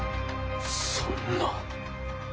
そんな。